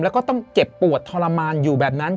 แล้วก็ต้องเจ็บปวดทรมานอยู่แบบนั้น